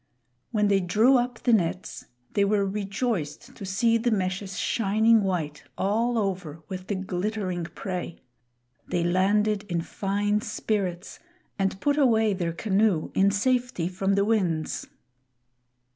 When they drew up the nets they were rejoiced to see the meshes shining white, all over, with the glittering prey. They landed in fine spirits, and put away their canoe in safety from the winds.